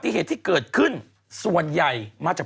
บริเวณนี้เป็นจุดทางร่วมที่ลดลงจากสะพาน